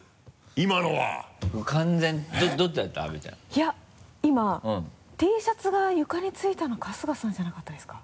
いや今Ｔシャツが床についたの春日さんじゃなかったですか？